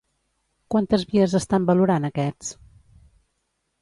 Quantes vies estan valorant aquests?